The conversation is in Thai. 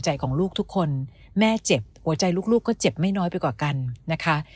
ของลูกทุกคนแม่เจ็บหัวใจลูกก็เจ็บไม่น้อยไปกว่ากันนะคะ